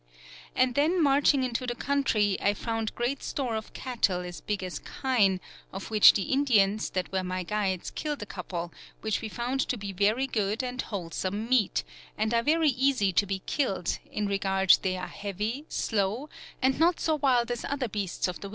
And then marching into the Countrie, I found great store of Cattle as big as Kine, of which the Indians that were my guides killed a couple, which we found to be very good and wholesome meate, and are very easie to be killed, in regard they are heavy, slow, and not so wild as other beasts of the wildernesse."